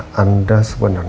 yang kami lakukan